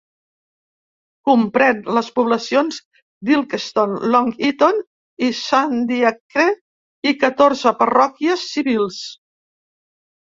Comprèn les poblacions d'Ilkeston, Long Eaton i Sandiacre i catorze parròquies civils.